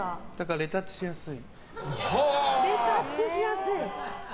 レタッチしやすい。